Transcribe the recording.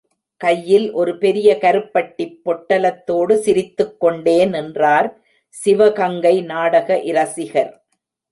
கையில் ஒரு பெரிய கருப்பட்டிப் பொட்டலத்தோடு சிரித்துக் கொண்டே நின்றார் சிவகங்கை நாடக இரசிகர்.